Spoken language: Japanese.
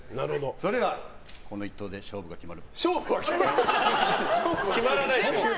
それではこの一投で勝負が決まる。